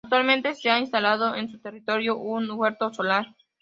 Actualmente se ha instalado en su territorio un huerto solar.